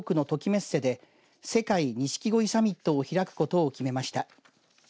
メッセで世界錦鯉サミットを開くことを決めました。